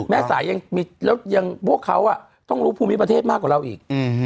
แม่สายยังมีแล้วยังพวกเขาต้องรู้ภูมิประเทศมากกว่าเราอีก